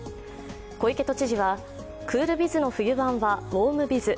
小池都知事はクールビズの冬版はウォームビズ。